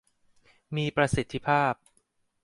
มีประสิทธิภาพ